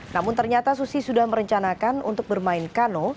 namun ternyata susi sudah merencanakan untuk bermain kano